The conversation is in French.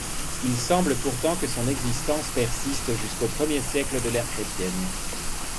Il semble pourtant que son existence persiste jusqu'aux premiers siècle de l'ère chrétienne.